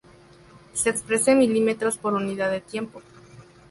Se expresa en milímetros por unidad de tiempo.